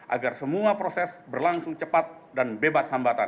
agar semua proses berlangsung cepat dan bebas hambatan